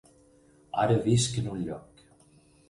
Ara visc en un lloc.